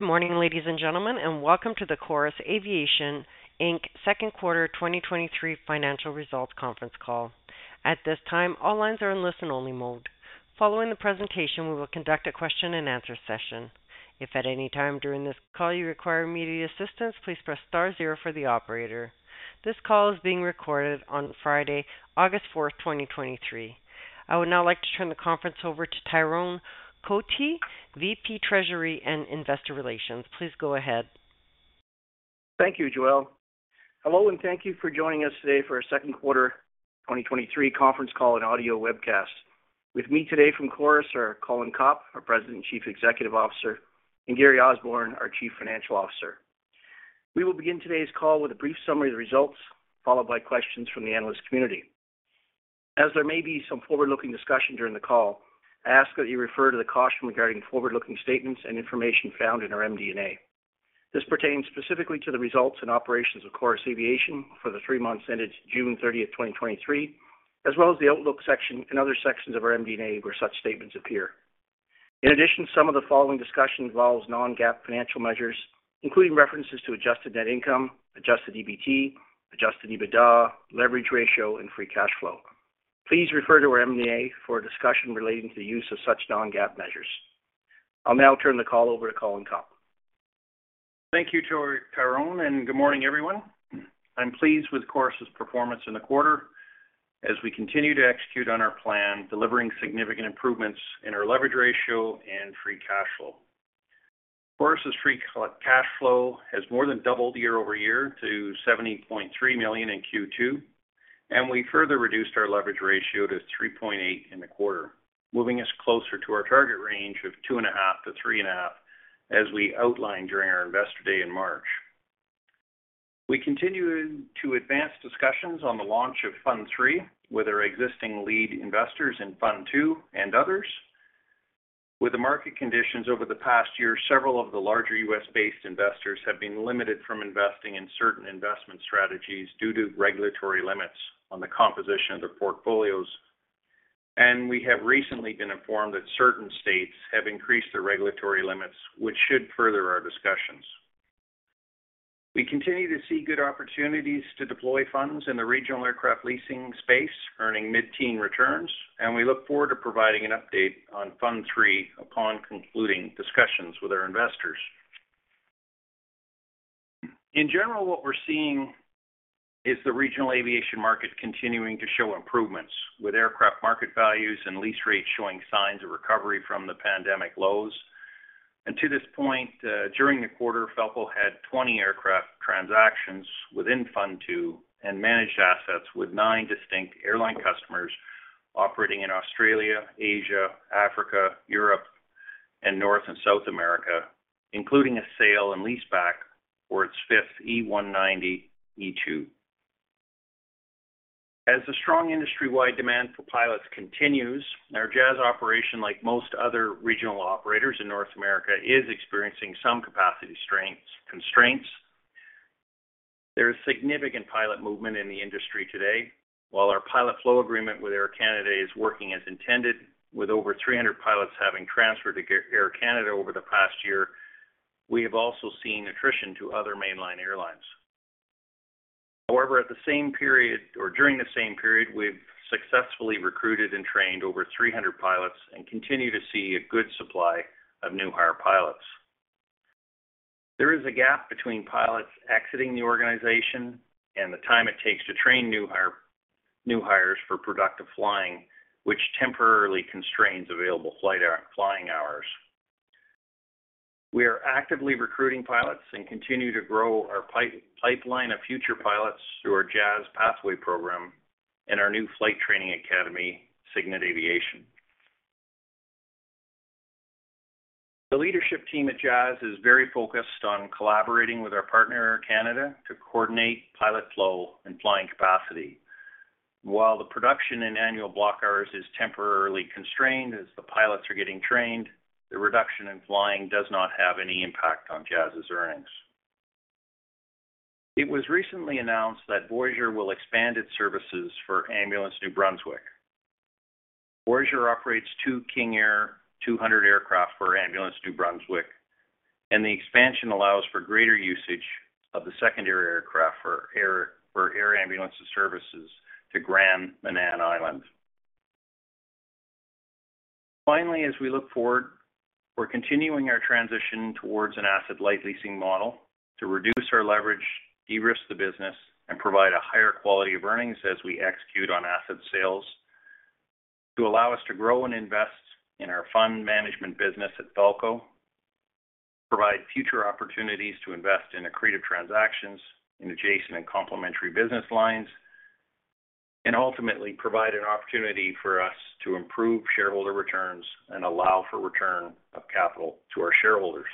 Good morning, ladies and gentlemen, and welcome to the Chorus Aviation Second Quarter 2023 Financial Results Conference Call. At this time, all lines are in listen-only mode. Following the presentation, we will conduct a question-and-answer session. If at any time during this call you require immediate assistance, please press star zero for the operator. This call is being recorded on Friday, August fourth, twenty twenty-three. I would now like to turn the conference over to Tyrone Cotie, VP Treasury and Investor Relations. Please go ahead. Thank you, Joel. Hello, thank you for joining us today for our second quarter 2023 conference call and audio webcast. With me today from Chorus are Colin Copp, our President and Chief Executive Officer, and Gary Osborne, our Chief Financial Officer. We will begin today's call with a brief summary of the results, followed by questions from the analyst community. As there may be some forward-looking discussion during the call, I ask that you refer to the caution regarding forward-looking statements and information found in our MD&A. This pertains specifically to the results and operations of Chorus Aviation for the three months ended June 30th, 2023, as well as the Outlook section and other sections of our MD&A, where such statements appear. In addition, some of the following discussion involves non-GAAP financial measures, including references to adjusted net income, adjusted EBT, adjusted EBITDA, leverage ratio, and free cash flow. Please refer to our MD&A for a discussion relating to the use of such non-GAAP measures. I'll now turn the call over to Colin Copp. Thank you, Tyrone, good morning, everyone. I'm pleased with Chorus's performance in the quarter as we continue to execute on our plan, delivering significant improvements in our leverage ratio and free cash flow. Chorus's free cash flow has more than doubled year-over-year to 70.3 million in Q2, we further reduced our leverage ratio to 3.8 in the quarter, moving us closer to our target range of 2.5-3.5, as we outlined during our Investor Day in March. We continue to advance discussions on the launch of Fund III with our existing lead investors in Fund II and others. With the market conditions over the past year, several of the larger U.S.-based investors have been limited from investing in certain investment strategies due to regulatory limits on the composition of their portfolios. We have recently been informed that certain states have increased their regulatory limits, which should further our discussions. We continue to see good opportunities to deploy funds in the regional aircraft leasing space, earning mid-teen returns. We look forward to providing an update on Fund III upon concluding discussions with our investors. In general, what we're seeing is the regional aviation market continuing to show improvements, with aircraft market values and lease rates showing signs of recovery from the pandemic lows. To this point, during the quarter, Falko had 20 aircraft transactions within Fund II and managed assets with nine distinct airline customers operating in Australia, Asia, Africa, Europe, and North and South America, including a sale and leaseback for its fifth E190-E2. As the strong industry-wide demand for pilots continues, our Jazz operation, like most other regional operators in North America, is experiencing some capacity constraints. There is significant pilot movement in the industry today. While our pilot flow agreement with Air Canada is working as intended, with over 300 pilots having transferred to Air Canada over the past year, we have also seen attrition to other mainline airlines. However, during the same period, we've successfully recruited and trained over 300 pilots and continue to see a good supply of new hire pilots. There is a gap between pilots exiting the organization and the time it takes to train new hires for productive flying, which temporarily constrains available flying hours. We are actively recruiting pilots and continue to grow our pipeline of future pilots through our Jazz Pathway Program and our new flight training academy, Cygnet Aviation. The leadership team at Jazz is very focused on collaborating with our partner, Air Canada, to coordinate pilot flow and flying capacity. While the production in annual block hours is temporarily constrained as the pilots are getting trained, the reduction in flying does not have any impact on Jazz's earnings. It was recently announced that Voyageur will expand its services for Ambulance New Brunswick. Voyageur operates 2 King Air 200 aircraft for Ambulance New Brunswick, and the expansion allows for greater usage of the secondary aircraft for air ambulance services to Grand Manan Island. Finally, as we look forward, we're continuing our transition towards an asset-light leasing model to reduce our leverage, de-risk the business, and provide a higher quality of earnings as we execute on asset sales, to allow us to grow and invest in our fund management business at Falko, provide future opportunities to invest in accretive transactions in adjacent and complementary business lines, and ultimately provide an opportunity for us to improve shareholder returns and allow for return of capital to our shareholders.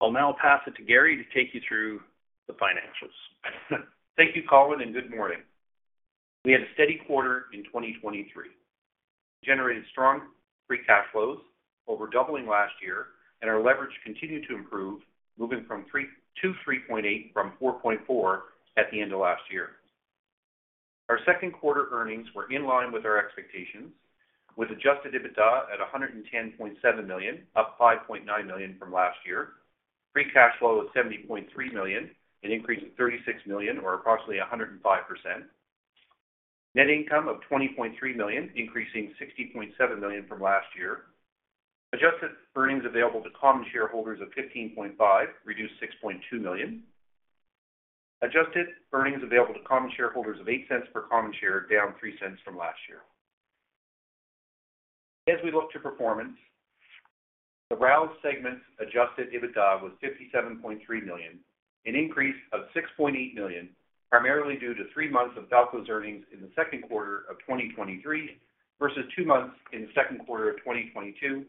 I'll now pass it to Gary to take you through the financials. Thank you, Colin, and good morning. We had a steady quarter in 2023. Generated strong free cash flows, over doubling last year. Our leverage continued to improve, moving to 3.8 from 4.4 at the end of last year. Our second quarter earnings were in line with our expectations, with adjusted EBITDA at 110.7 million, up 5.9 million from last year. Free cash flow of 70.3 million, an increase of 36 million, or approximately 105%. Net income of 20.3 million, increasing 60.7 million from last year. Adjusted earnings available to common shareholders of 15.5 million, reduced 6.2 million. Adjusted earnings available to common shareholders of 0.08 per common share, down 0.03 from last year. As we look to performance, the RAL segment's adjusted EBITDA was 57.3 million, an increase of 6.8 million, primarily due to three months of Falko's earnings in the second quarter of 2023, versus two months in the second quarter of 2022,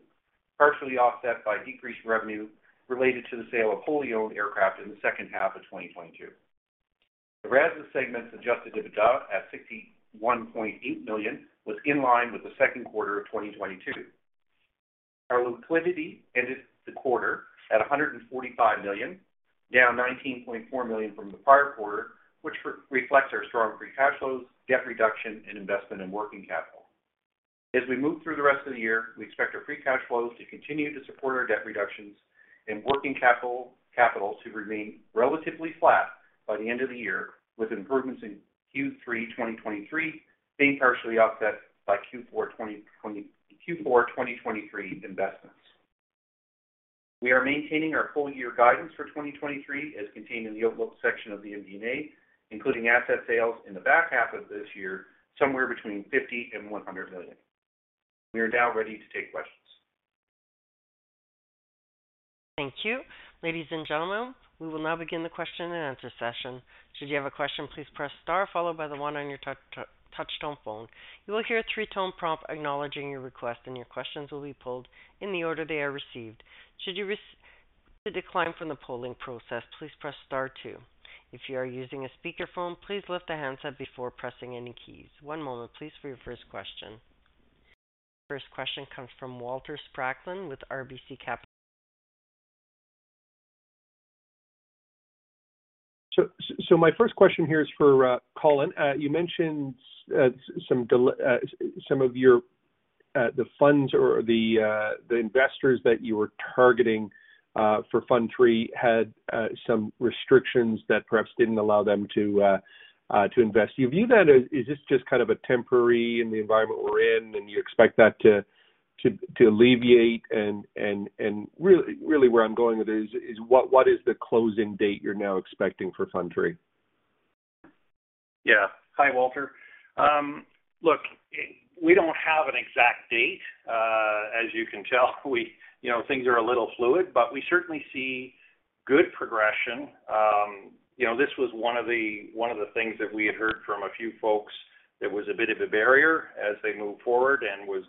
partially offset by decreased revenue related to the sale of wholly owned aircraft in the second half of 2022. The RAS segment's adjusted EBITDA at 61.8 million, was in line with the second quarter of 2022. Our liquidity ended the quarter at 145 million, down 19.4 million from the prior quarter, which re-reflects our strong free cash flows, debt reduction, and investment in working capital. As we move through the rest of the year, we expect our free cash flows to continue to support our debt reductions and working capital, capital to remain relatively flat by the end of the year, with improvements in Q3 2023 being partially offset by Q4 2023 investments. We are maintaining our full-year guidance for 2023, as contained in the outlook section of the MD&A, including asset sales in the back half of this year, somewhere between 50 million-100 million. We are now ready to take questions. Thank you. Ladies and gentlemen, we will now begin the question and answer session. Should you have a question, please press star followed by the one on your touch tone phone. You will hear a three-tone prompt acknowledging your request, and your questions will be polled in the order they are received. Should you decline from the polling process, please press star two. If you are using a speakerphone, please lift the handset before pressing any keys. One moment please, for your first question. First question comes from Walter Spracklin with RBC Capital. My first question here is for Colin. You mentioned some dele- some of your the funds or the the investors that you were targeting for Fund III had some restrictions that perhaps didn't allow them to to invest. Do you view that as, is this just kind of a temporary in the environment we're in, and you expect that to to to alleviate? Really, really where I'm going with this is, is what, what is the closing date you're now expecting for Fund III? Yeah. Hi, Walter. Look, we don't have an exact date. As you can tell, you know, things are a little fluid, but we certainly see good progression. You know, this was one of the, one of the things that we had heard from a few folks that was a bit of a barrier as they moved forward and was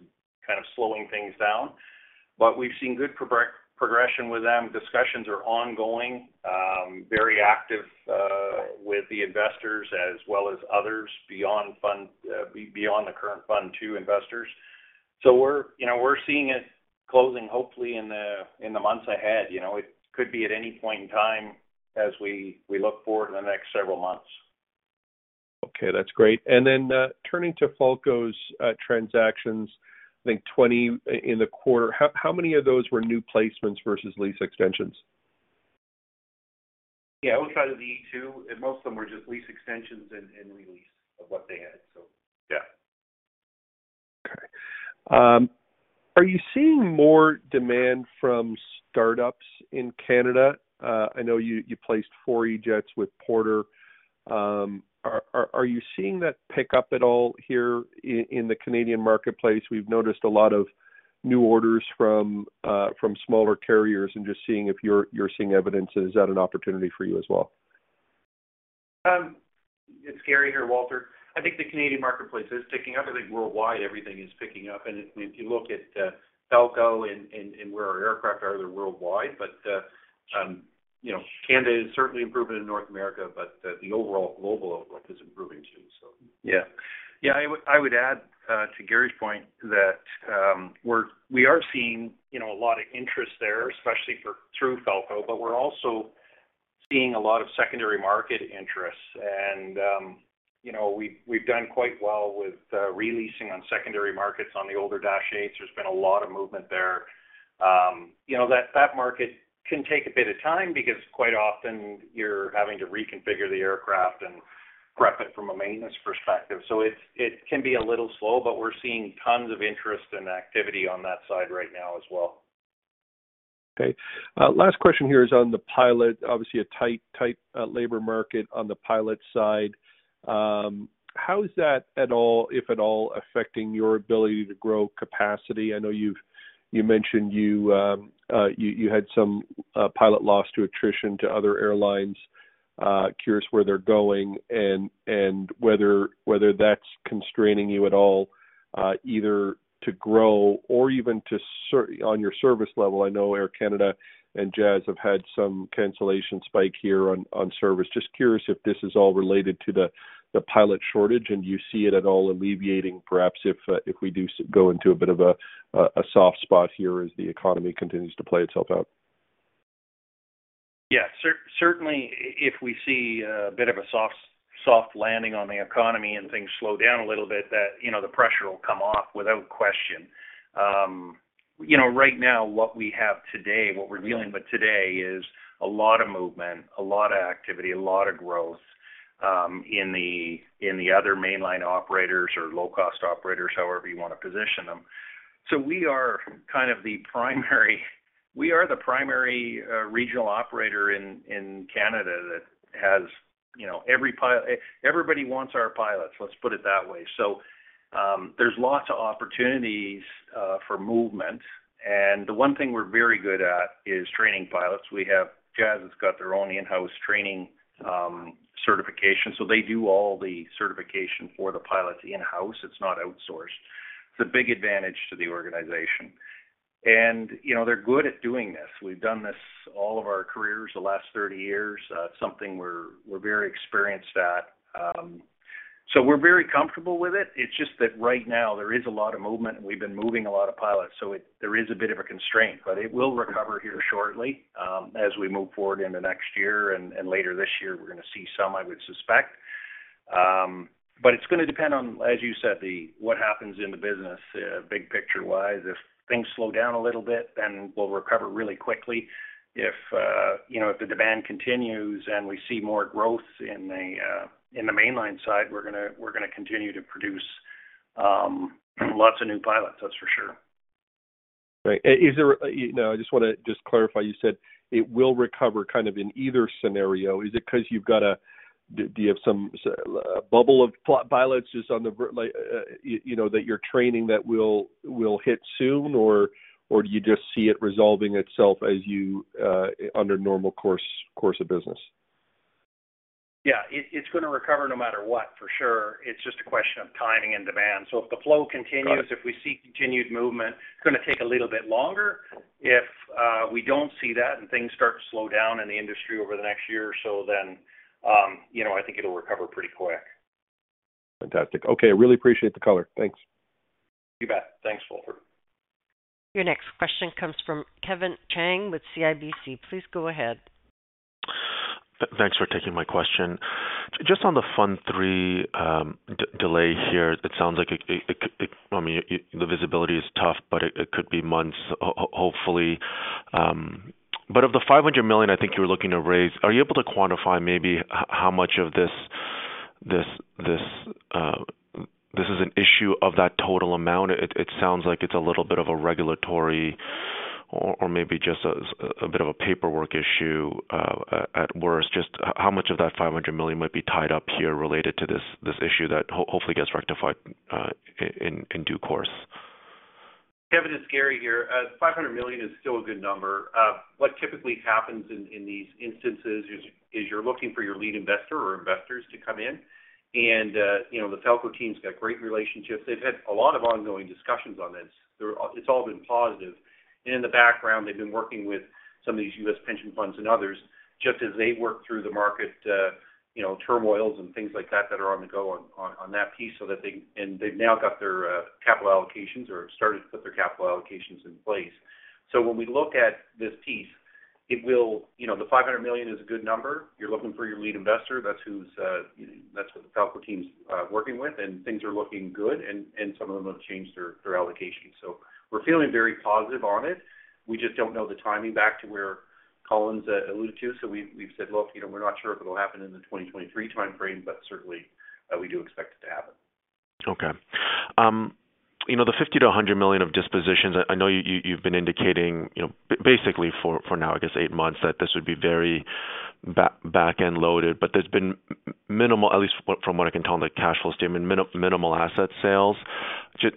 kind of slowing things down. We've seen good progression with them. Discussions are ongoing, very active with the investors as well as others beyond fund, beyond the current Fund II investors. We're, you know, we're seeing it closing hopefully in the, in the months ahead. You know, it could be at any point in time as we, we look forward in the next several months. Okay, that's great. Turning to Falko's transactions, I think 20 in the quarter, how many of those were new placements versus lease extensions? Yeah, I would say 2. Most of them were just lease extensions and, and re-lease of what they had. Yeah. Okay. Are you seeing more demand from startups in Canada? I know you, you placed 4 E-Jets with Porter. Are, are, are you seeing that pick up at all here i-in the Canadian marketplace? We've noticed a lot of new orders from smaller carriers, and just seeing if you're, you're seeing evidence, is that an opportunity for you as well? It's Gary here, Walter. I think the Canadian marketplace is picking up. I think worldwide, everything is picking up. If, if you look at Falko and where our aircraft are, they're worldwide. You know, Canada is certainly improving in North America, but the overall global outlook is improving too, so. Yeah, I would add to Gary's point that we are seeing, you know, a lot of interest there, especially for through Falko, but we're also seeing a lot of secondary market interest. You know, we've, we've done quite well with releasing on secondary markets on the older Dash 8s. There's been a lot of movement there. You know, that, that market can take a bit of time because quite often you're having to reconfigure the aircraft and prep it from a maintenance perspective. It can be a little slow, but we're seeing tons of interest and activity on that side right now as well. Okay. last question here is on the pilot. Obviously, a tight, tight labor market on the pilot side. How is that at all, if at all, affecting your ability to grow capacity? I know you've- you mentioned you, you had some pilot loss to attrition to other airlines. Curious where they're going and, and whether, whether that's constraining you at all, either to grow or even to ser- on your service level. I know Air Canada and Jazz have had some cancellation spike here on, on service. Just curious if this is all related to the, the pilot shortage, and do you see it at all alleviating, perhaps if we do s- go into a bit of a soft spot here as the economy continues to play itself out? Yes, certainly, if we see a bit of a soft, soft landing on the economy and things slow down a little bit, that, you know, the pressure will come off without question. You know, right now, what we have today, what we're dealing with today is a lot of movement, a lot of activity, a lot of growth, in the, in the other mainline operators or low-cost operators, however you want to position them. We are kind of the primary, we are the primary regional operator in Canada that has, you know, every pilot, everybody wants our pilots, let's put it that way. There's lots of opportunities for movement, and the one thing we're very good at is training pilots. We have - Jazz has got their own in-house training, certification, so they do all the certification for the pilots in-house. It's not outsourced. It's a big advantage to the organization. You know, they're good at doing this. We've done this all of our careers, the last 30 years. It's something we're, we're very experienced at. We're very comfortable with it. It's just that right now, there is a lot of movement, and we've been moving a lot of pilots, so there is a bit of a constraint, it will recover here shortly, as we move forward into next year and, and later this year, we're going to see some, I would suspect. It's going to depend on, as you said, what happens in the business, big picture-wise. If things slow down a little bit, then we'll recover really quickly. If, you know, if the demand continues and we see more growth in the, in the mainline side, we're gonna, we're gonna continue to produce, lots of new pilots, that's for sure. Right. You know, I just wanna just clarify, you said it will recover kind of in either scenario. Is it because you've got a, do you have some bubble of pilots just on the like, you know, that you're training that will hit soon? Or do you just see it resolving itself as you under normal course of business? Yeah, it's going to recover no matter what, for sure. It's just a question of timing and demand. If the flow continues... Got it. If we see continued movement, it's going to take a little bit longer. If we don't see that and things start to slow down in the industry over the next year or so, then, you know, I think it'll recover pretty quick. Fantastic. Okay, I really appreciate the color. Thanks. You bet. Thanks, Walter. Your next question comes from Kevin Chiang with CIBC. Please go ahead. Thanks for taking my question. Just on the Fund III, de-delay here, it sounds like I mean, the visibility is tough, but it could be months, hopefully. Of the $500 million, I think you were looking to raise, are you able to quantify maybe how much of this is an issue of that total amount? It sounds like it's a little bit of a regulatory or maybe just a bit of a paperwork issue at worst. Just how much of that $500 million might be tied up here related to this issue that hopefully gets rectified in due course? Kevin, it's Gary here. $500 million is still a good number. What typically happens in, in these instances is, is you're looking for your lead investor or investors to come in, and, you know, the Falko team's got great relationships. They've had a lot of ongoing discussions on this. It's all been positive. In the background, they've been working with some of these US pension funds and others, just as they work through the market, you know, turmoils and things like that, that are on the go on, on, on that piece, so that they. They've now got their capital allocations or started to put their capital allocations in place. When we look at this piece, it will, you know, the $500 million is a good number. You're looking for your lead investor. That's who's, you know, that's what the Falko team's working with, and things are looking good, and, and some of them have changed their, their allocations. We're feeling very positive on it. We just don't know the timing back to where Colin's alluded to. We've, we've said, look, you know, we're not sure if it'll happen in the 2023 time frame, but certainly, we do expect it to happen. Okay. You know, the $50-100 million of dispositions, I know you, you've been indicating, you know, basically for, for now, I guess, 8 months, that this would be very back, back-end loaded, but there's been minimal, at least from what I can tell in the cash flow statement, minimal asset sales. Just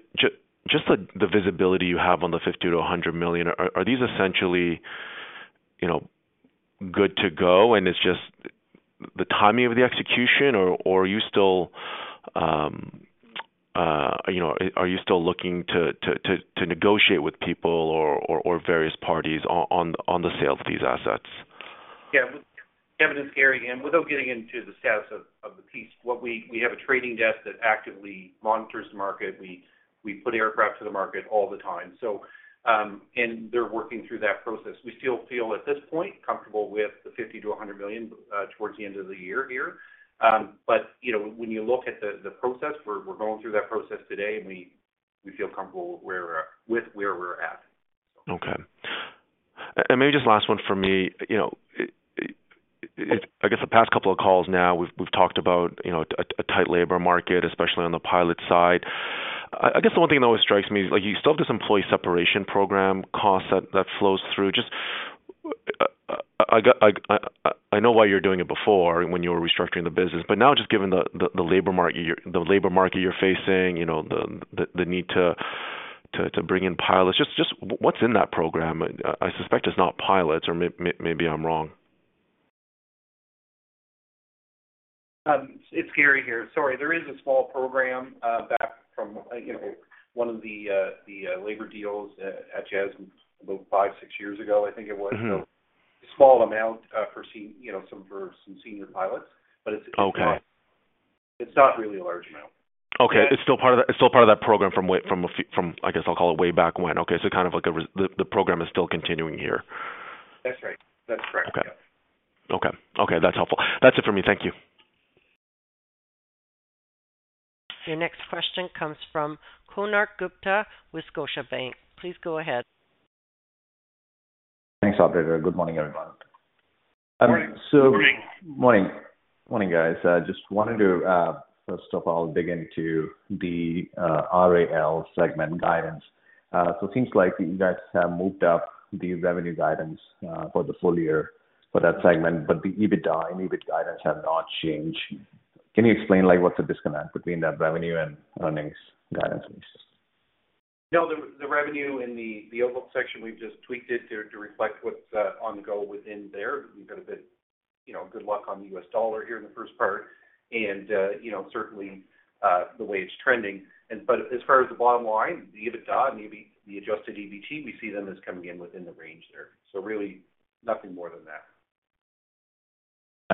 the, the visibility you have on the $50-100 million, are, are these essentially, you know, good to go and it's just the timing of the execution, or, or are you still, you know, are you still looking to negotiate with people or, or, or various parties on, on, on the sale of these assets? Kevin, it's Gary, without getting into the status of the piece, we have a trading desk that actively monitors the market. We put aircraft to the market all the time. They're working through that process. We still feel, at this point, comfortable with the $50-100 million towards the end of the year here. You know, when you look at the process, we're going through that process today, we feel comfortable with where we're at. Okay. Maybe just last one for me. You know, it, I guess the past couple of calls now, we've talked about, you know, a tight labor market, especially on the pilot side. I guess the one thing that always strikes me is, like, you still have this employee separation program cost that flows through. Just, I know why you're doing it before when you were restructuring the business, but now, just given the labor market you're facing, you know, the need to bring in pilots, just what's in that program? I suspect it's not pilots, or maybe I'm wrong. It's Gary here. Sorry. There is a small program, back from, you know, one of the, the, labor deals at, at Jazz about five, six years ago, I think it was. Mm-hmm. A small amount, you know, some for some senior pilots, but it's-. Okay. It's not really a large amount. Okay. It's still part of that, it's still part of that program from a few, I guess I'll call it way back when. Okay, kind of like the program is still continuing here? That's right. That's correct. Okay. Okay, okay, that's helpful. That's it for me. Thank you. Your next question comes from Konark Gupta with Scotiabank. Please go ahead. Thanks, operator. Good morning, everyone. Good morning. So- Good morning. Morning. Morning, guys. I just wanted to first of all, dig into the RAL segment guidance. It seems like you guys have moved up the revenue guidance for the full-year for that segment, but the EBITDA and EBIT guidance have not changed. Can you explain, like, what's the disconnect between that revenue and earnings guidance please? No, the revenue in the overall section, we've just tweaked it to reflect what's on the go within there. We've had a bit, you know, good luck on the U.S. dollar here in the first part and, you know, certainly, the way it's trending. But as far as the bottom line, the EBITDA and the adjusted EBT, we see them as coming in within the range there. Really nothing more than that.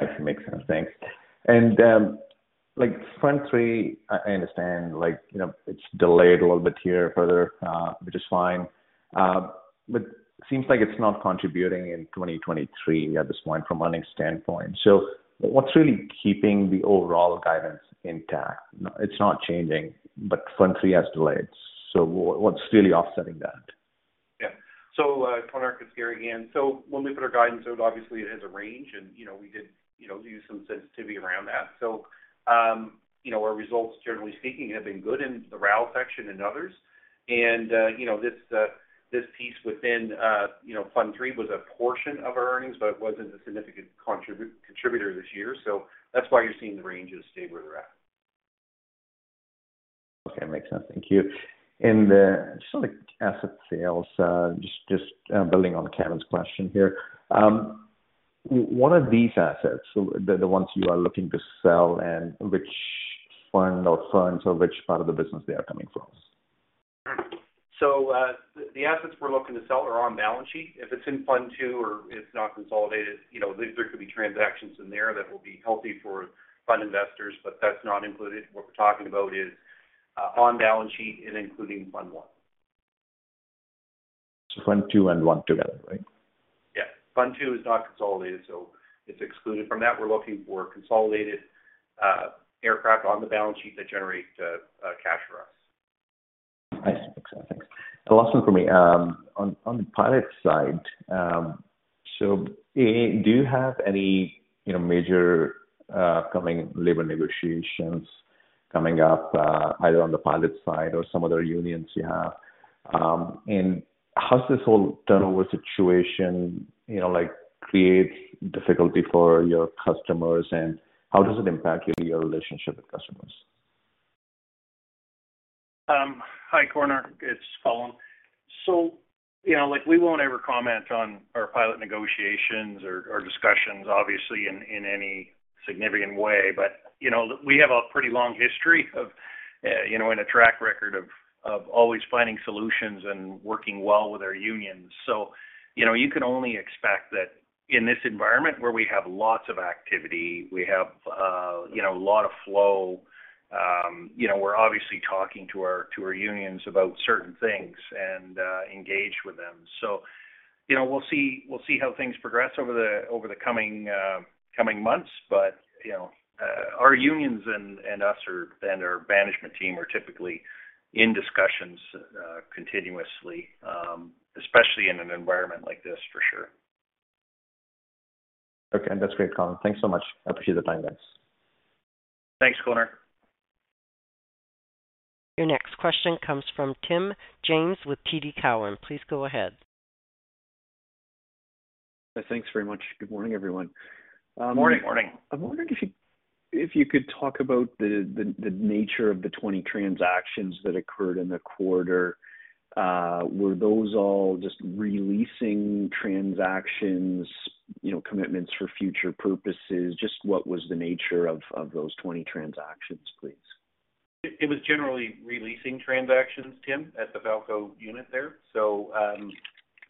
Nice. Makes sense. Thanks. Like, Fund III, I, I understand, like, you know, it's delayed a little bit here further, which is fine. Seems like it's not contributing in 2023 at this point from earnings standpoint. What's really keeping the overall guidance intact? It's not changing, but Fund III has delayed, so what, what's really offsetting that? Yeah. Konark, it's Gary again. When we put our guidance out, obviously it has a range and, you know, we did, you know, do some sensitivity around that. You know, our results, generally speaking, have been good in the RAL section and others. And, you know, this, this piece within, you know, Fund III was a portion of our earnings, but it wasn't a significant contributor this year, so that's why you're seeing the ranges stay where they're at. Okay. Makes sense. Thank you. Just on the asset sales, just, just, building on Kevin's question here. What are these assets, so the, the ones you are looking to sell, and which fund or funds or which part of the business they are coming from? The, the assets we're looking to sell are on balance sheet. If it's in Fund II, or it's not consolidated, you know, there, there could be transactions in there that will be healthy for fund investors, but that's not included. What we're talking is, on balance sheet and including Fund I. Fund II and I together, right? Yeah. Fund II is not consolidated, so it's excluded from that. We're looking for consolidated aircraft on the balance sheet that generate cash for us. I see. Okay, thanks. The last one for me, on, on the pilot side, so, A, do you have any, you know, major, coming labor negotiations coming up, either on the pilot side or some other unions you have? How does this whole turnover situation, you know, like, create difficulty for your customers, and how does it impact your, your relationship with customers? Hi, Konark Gupta, it's Colin Copp. You know, like, we won't ever comment on our pilot negotiations or discussions, obviously, in any significant way. You know, we have a pretty long history of, you know, and a track record of always finding solutions and working well with our unions. You know, you can only expect that in this environment where we have lots of activity, we have, you know, a lot of flow, you know, we're obviously talking to our unions about certain things and engaged with them. You know, we'll see, we'll see how things progress over the coming months. You know, our unions and us are, and our management team are typically in discussions continuously, especially in an environment like this, for sure. Okay. That's great, Colin. Thanks so much. I appreciate the time, guys. Thanks, Konark. Your next question comes from Tim James with TD Cowen. Please go ahead. Thanks very much. Good morning, everyone. Good morning. Morning. I'm wondering if you, if you could talk about the, the, the nature of the 20 transactions that occurred in the quarter. Were those all just re-leasing transactions, you know, commitments for future purposes? Just what was the nature of, of those 20 transactions, please? It, it was generally re-leasing transactions, Tim, at the Falko unit there. So,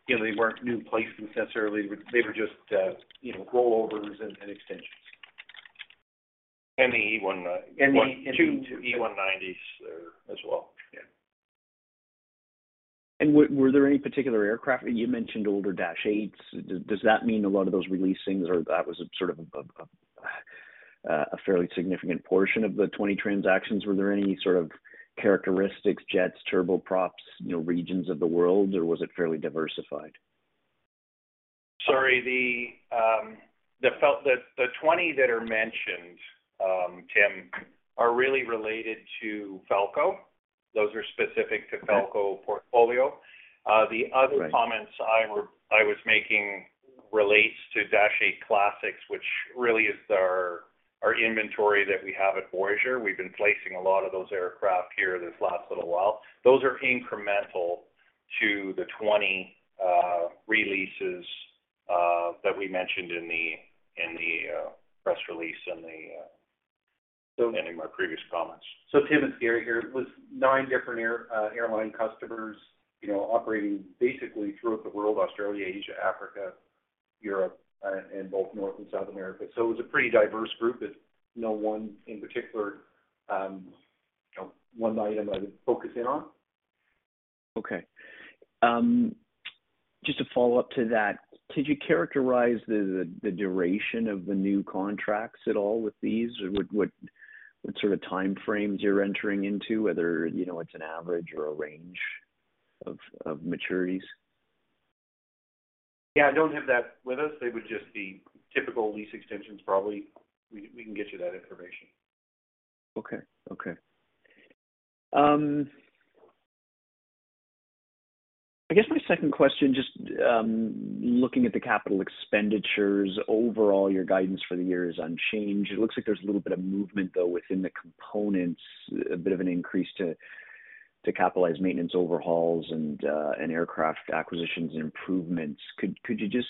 you know, they weren't new placements necessarily. They were just, you know, rollovers and extensions. Two E190s there as well. Yeah. Were, were there any particular aircraft? You mentioned older Dash 8s. Does that mean a lot of those re-leasings or that was a sort of a, a fairly significant portion of the 20 transactions? Were there any sort of characteristics, jets, turboprops, you know, regions of the world, or was it fairly diversified? Sorry, the 20 that are mentioned, Tim, are really related to Falko. Those are specific to Falko. Right... portfolio. The other comments I was making relates to Dash 8 classics, which really is our, our inventory that we have at Voyageur. We've been placing a lot of those aircraft here this last little while. Those are incremental to the 20 releases that we mentioned in the press release and in my previous comments. Tim, it's Gary here. It was nine different airline customers, you know, operating basically throughout the world: Australia, Asia, Africa, Europe, and both North and South America. It was a pretty diverse group that no one in particular, you know, one item I would focus in on. Okay. Just to follow up to that, could you characterize the, the, the duration of the new contracts at all with these? Or what, what, what sort of time frames you're entering into, whether, you know, it's an average or a range of, of maturities? Yeah, I don't have that with us. They would just be typical lease extensions, probably. We can get you that information. Okay. Okay. I guess my second question, looking at the capital expenditures, overall, your guidance for the year is unchanged. It looks like there's a little bit of movement, though, within the components, a bit of an increase to capitalize maintenance overhauls and aircraft acquisitions and improvements. Could you just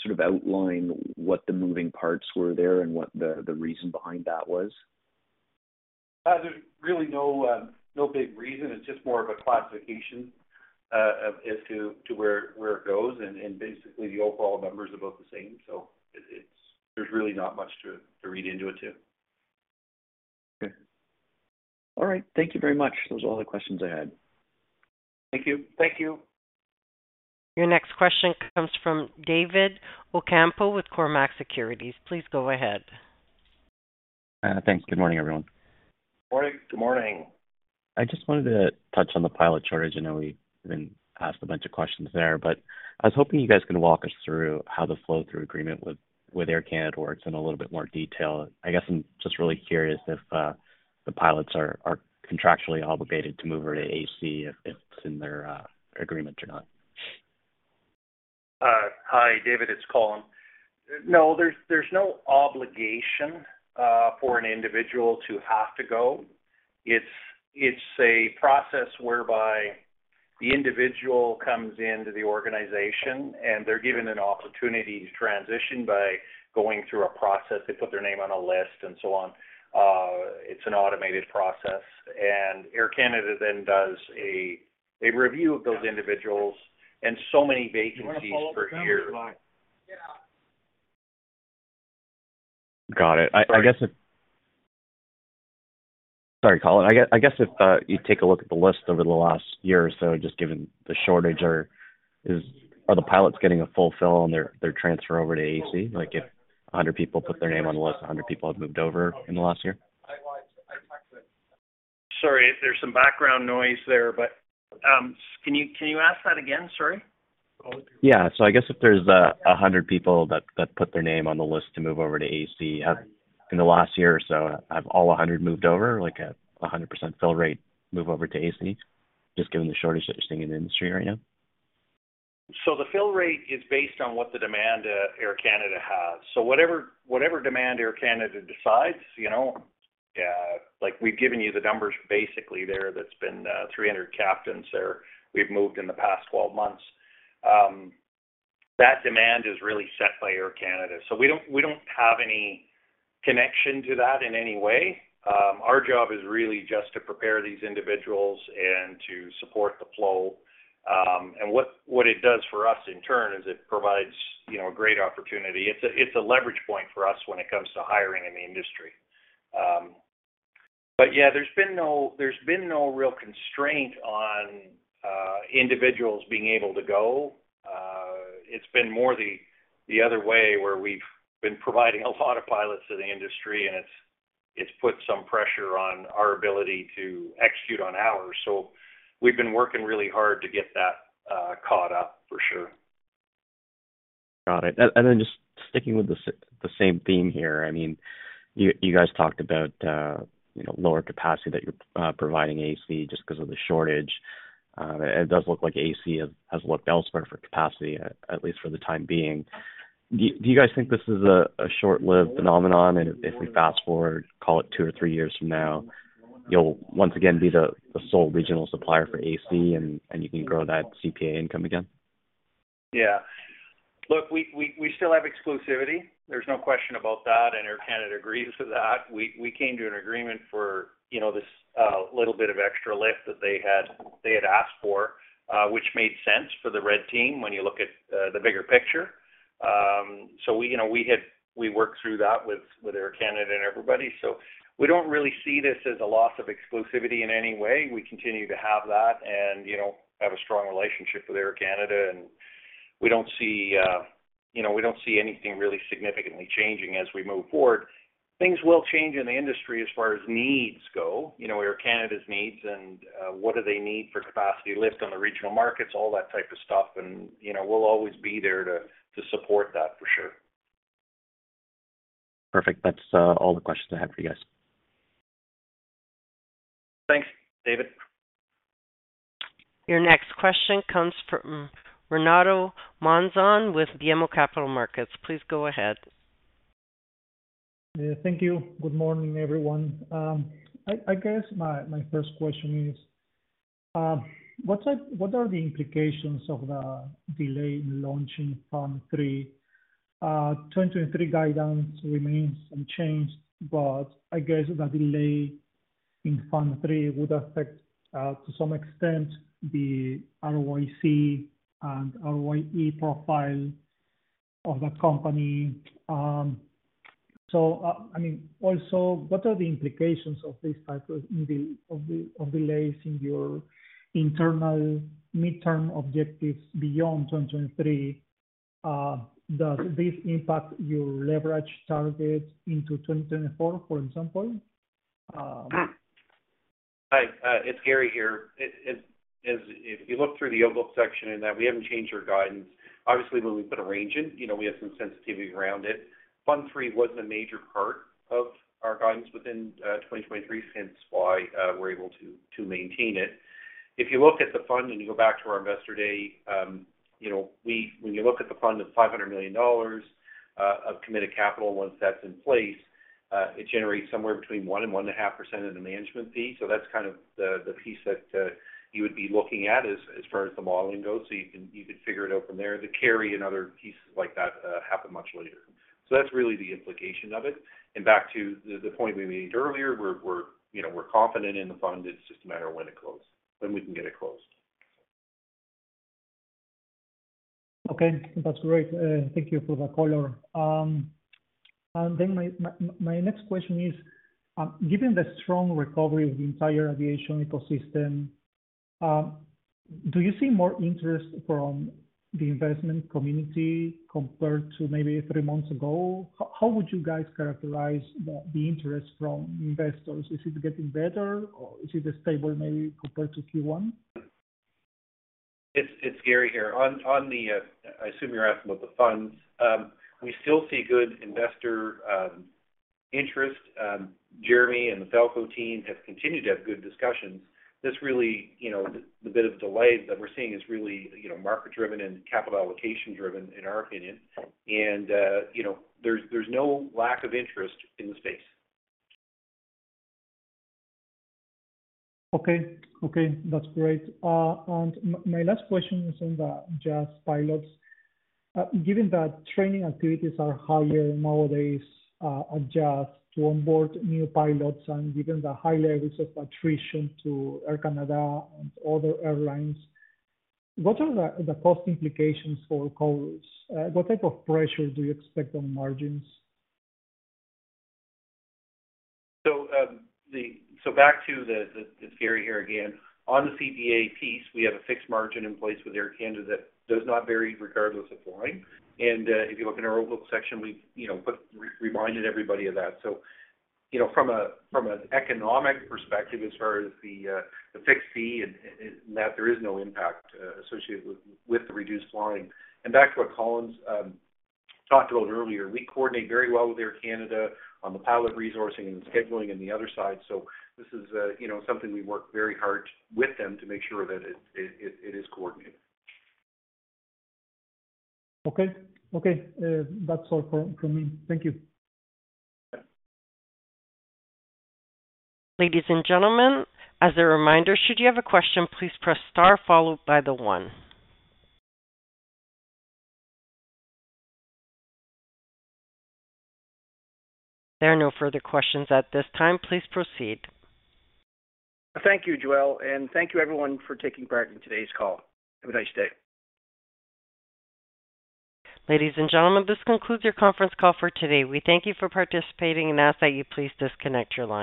sort of outline what the moving parts were there and what the reason behind that was? There's really no no big reason. It's just more of a classification, as to, to where, where it goes, and, and basically the overall number is about the same. It, it's... there's really not much to, to read into it, too. Okay. All right. Thank you very much. Those are all the questions I had. Thank you. Thank you. Your next question comes from David Ocampo with Cormark Securities. Please go ahead. Thanks. Good morning, everyone. Morning. Good morning. I just wanted to touch on the pilot shortage. I know we've been asked a bunch of questions there, but I was hoping you guys can walk us through how the flow-through agreement with, with Air Canada works in a little bit more detail. I guess I'm just really curious if the pilots are, are contractually obligated to move over to AC, if it's in their agreement or not. Hi, David, it's Colin. No, there's, there's no obligation for an individual to have to go. It's, it's a process whereby the individual comes into the organization, and they're given an opportunity to transition by going through a process. They put their name on a list and so on. It's an automated process, and Air Canada then does a, a review of those individuals, and so many vacancies per year. Got it. I guess, sorry, Colin. I guess if you take a look at the list over the last year or so, just given the shortage, are the pilots getting a full fill on their transfer over to AC? Like, if 100 people put their name on the list, 100 people have moved over in the last year? Sorry, there's some background noise there, but, can you, can you ask that again? Sorry. Yeah. I guess if there's, 100 people that, that put their name on the list to move over to AC, in the last year or so, have all 100 moved over, like 100% fill rate move over to AC, just given the shortage that you're seeing in the industry right now? The fill rate is based on what the demand Air Canada has. Whatever, whatever demand Air Canada decides, you know, like, we've given you the numbers basically there, that's been 300 captains there we've moved in the past 12 months. That demand is really set by Air Canada, so we don't, we don't have any connection to that in any way. Our job is really just to prepare these individuals and to support the flow. What, what it does for us in turn is it provides, you know, a great opportunity. It's a, it's a leverage point for us when it comes to hiring in the industry. Yeah, there's been no, there's been no real constraint on individuals being able to go. It's been more the, the other way, where we've been providing a lot of pilots to the industry, and it's, it's put some pressure on our ability to execute on ours. We've been working really hard to get that caught up, for sure. Got it. Then just sticking with the same theme here, I mean, you, you guys talked about, you know, lower capacity that you're providing AC just because of the shortage. It does look like AC has, has looked elsewhere for capacity, at least for the time being. Do you guys think this is a short-lived phenomenon, and if we fast-forward, call it two or three years from now, you'll once again be the sole regional supplier for AC and you can grow that CPA income again? Yeah. Look, we, we, we still have exclusivity. There's no question about that, and Air Canada agrees with that. We, we came to an agreement for, you know, this, little bit of extra lift that they had, they had asked for, which made sense for the red team when you look at, the bigger picture. We, you know, we worked through that with, with Air Canada and everybody. We don't really see this as a loss of exclusivity in any way. We continue to have that and, you know, have a strong relationship with Air Canada, and we don't see, you know, we don't see anything really significantly changing as we move forward. Things will change in the industry as far as needs go, you know, Air Canada's needs and what do they need for capacity lift on the regional markets, all that type of stuff. You know, we'll always be there to support that, for sure. Perfect. That's all the questions I had for you guys. Thanks, David. Your next question comes from Renato Monzon with BMO Capital Markets. Please go ahead. Yeah, thank you. Good morning, everyone. I guess my first question is, what are the implications of the delay in launching Fund III? 2023 guidance remains unchanged. I guess the delay in Fund III would affect to some extent the ROIC and ROE profile of the company. I mean, also, what are the implications of this type of delays in your internal midterm objectives beyond 2023? Does this impact your leverage target into 2024, for example? Hi, it's Gary here. If you look through the overview section, in that we haven't changed our guidance. Obviously, when we put a range in, you know, we have some sensitivity around it. Fund III wasn't a major part of our guidance within 2023, hence why we're able to maintain it. If you look at the fund and you go back to our Investor Day, you know, when you look at the fund, it's $500 million of committed capital. Once that's in place, it generates somewhere between 1% and 1.5% of the management fee. That's kind of the piece that you would be looking at as far as the modeling goes. You could figure it out from there. The carry and other pieces like that happen much later. That's really the implication of it. Back to the, the point we made earlier, we're, we're, you know, we're confident in the fund. It's just a matter of when it closed, when we can get it closed. Okay, that's great. Thank you for the color. Then my next question is: given the strong recovery of the entire aviation ecosystem, do you see more interest from the investment community compared to maybe three months ago? How would you guys characterize the interest from investors? Is it getting better, or is it stable maybe compared to Q1? It's, it's Gary here. On, on the, I assume you're asking about the funds. We still see good investor, interest. Jeremy and the Falko team have continued to have good discussions. This really, you know, the bit of delay that we're seeing is really, you know, market-driven and capital allocation-driven, in our opinion. You know, there's, there's no lack of interest in the space. Okay. Okay, that's great. My last question is on the Jazz pilots. Given that training activities are higher nowadays, adjust to onboard new pilots, and given the high levels of attrition to Air Canada and other airlines, what are the cost implications for Chorus? What type of pressure do you expect on margins? It's Gary here again. On the CPA piece, we have a fixed margin in place with Air Canada that does not vary regardless of flying. If you look in our overview section, we've, you know, reminded everybody of that. You know, from an economic perspective, as far as the fixed fee, there is no impact associated with the reduced flying. Back to what Colin talked about earlier, we coordinate very well with Air Canada on the pilot resourcing and scheduling and the other side. This is, you know, something we work very hard with them to make sure that it is coordinated. Okay. Okay, that's all from, from me. Thank you. Ladies and gentlemen, as a reminder, should you have a question, please press star followed by the one. There are no further questions at this time. Please proceed. Thank you, Joel. Thank you everyone for taking part in today's call. Have a nice day. Ladies and gentlemen, this concludes your conference call for today. We thank you for participating and ask that you please disconnect your lines.